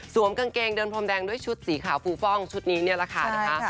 กางเกงเดินพรมแดงด้วยชุดสีขาวฟูฟ่องชุดนี้นี่แหละค่ะนะคะ